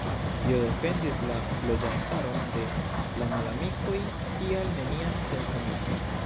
Tio defendis la loĝantaron de la malamikoj, tial neniam senhomiĝis.